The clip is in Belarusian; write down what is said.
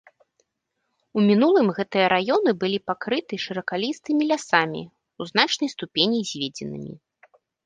У мінулым гэтыя раёны былі пакрыты шыракалістымі лясамі, у значнай ступені зведзенымі.